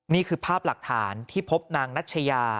นี่คือภาพหลักฐานที่พบนางนัชยา